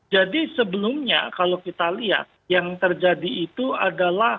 jadi sebelumnya kalau kita lihat yang terjadi itu adalah